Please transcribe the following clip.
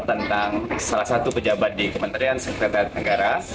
tentang salah satu pejabat di kementerian sekretariat negara